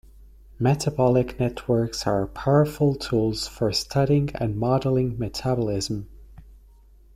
Metabolic networks are powerful tools for studying and modelling metabolism.